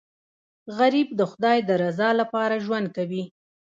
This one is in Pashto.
غریب د خدای د رضا لپاره ژوند کوي